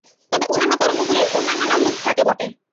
তবে অন্যান্য তরঙ্গগুলির অন্যান্য নাম-রূপ থাকে বটে।